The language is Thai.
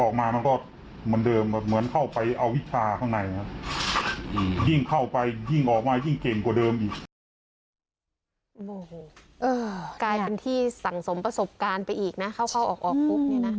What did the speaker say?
กลายเป็นที่สั่งสมประสบการณ์ไปอีกนะเข้าออกปุ๊บเนี่ยนะ